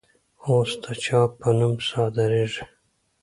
اوس د چا په نوم صادریږي؟